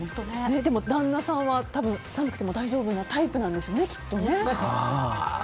でも旦那さんは多分寒くても大丈夫なタイプなんでしょうね。